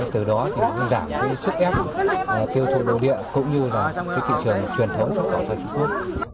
từ đó giảm sức ép tiêu thụ đồ địa cũng như thị trường truyền thống xuất khẩu cho chúng tôi